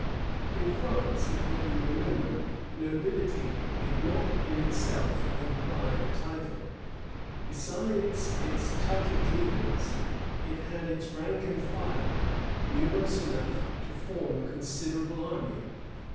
In France, it will be remembered, nobility did not in itself imply a title. Besides its titled leaders, it had its rank and file, numerous enough to form a considerable army.